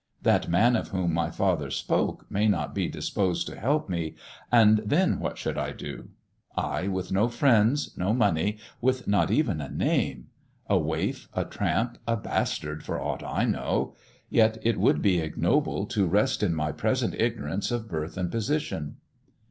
That man of whom my father spoke may not be disposed to help me, and then what should I do 1 — I, with no friends, no money, with not even a name; a waif, a tramp, a bastard for aught I know. Yet it would be ignoble to rest in my present ignorance of birth and position."